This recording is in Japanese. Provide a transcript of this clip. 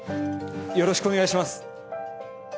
よろしくお願いします。